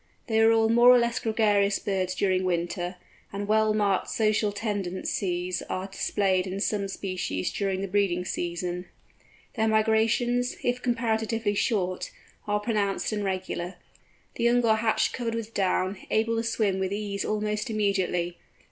They are all more or less gregarious birds during winter, and well marked social tendencies are displayed in some species during the breeding season. Their migrations, if comparatively short, are pronounced and regular. The young are hatched covered with down, able to swim with ease almost immediately.